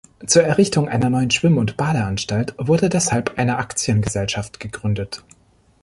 Zur Errichtung einer neuen Schwimm- und Badeanstalt wurde deshalb eine Aktiengesellschaft gegründet.